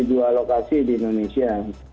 dua lokasi di indonesia